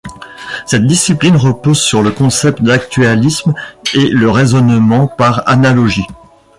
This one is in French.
Cette discipline repose sur le concept d’actualisme et le raisonnement par analogie.